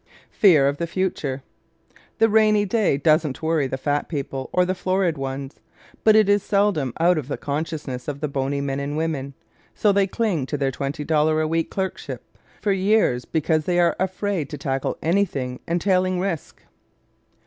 Fear of the Future ¶ "The rainy day" doesn't worry the fat people or the florid ones, but it is seldom out of the consciousness of the bony men and women. So they cling to their twenty dollar a week clerkships for years because they are afraid to tackle anything entailing risk.